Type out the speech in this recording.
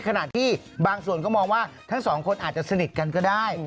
ขณะที่บางส่วนก็มองว่าทั้งสองคนอาจจะสนิทกันก็ได้